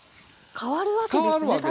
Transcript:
変わるわけですよ。